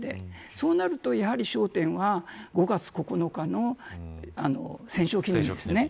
そうするとやはり焦点は５月９日の戦勝記念日ですね。